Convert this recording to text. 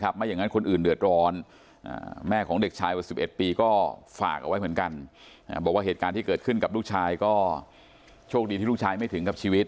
บอกว่าเหตุการณ์ที่เกิดขึ้นกับลูกชายก็โชคดีที่ลูกชายไม่ถึงครับชีวิต